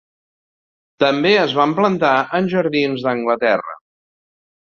També es van plantar en jardins d'Anglaterra.